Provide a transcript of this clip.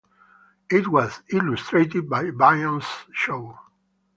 It was illustrated by Byam Shaw.